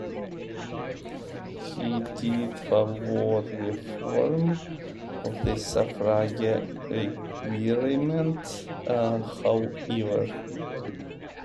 He did favor reform of the suffrage requirements, however.